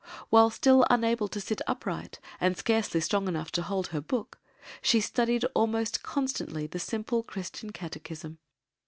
While still unable to sit upright and scarcely strong enough to hold her book she studied almost constantly the simple Christian Catechism.